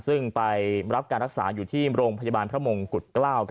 ซึ่งไปรับการรักษาอยู่ที่โรงพยาบาลพระมงกุฎเกล้า